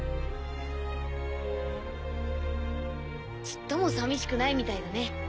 ちっともさみしくないみたいだね。